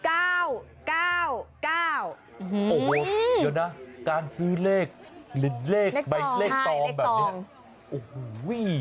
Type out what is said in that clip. โอ้โหเยอะนะการซื้อเลขเลขตองแบบนี้